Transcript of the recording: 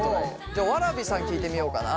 じゃあわらびさん聞いてみようかな。